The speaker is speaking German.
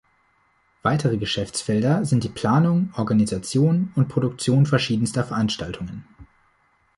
Weitere Geschäftsfelder sind die Planung, Organisation und Produktion verschiedenster Veranstaltungen.